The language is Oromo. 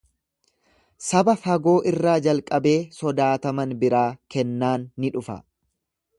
Saba fagoo irraa jalqabee sodaataman biraa kennaan ni dhufa.